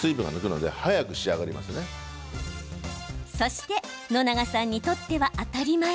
そして野永さんにとっては当たり前。